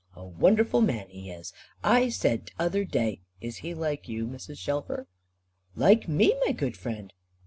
A wonderful man he is. I said t'other day " "Is he like you, Mrs. Shelfer?" "Like me, my good friend!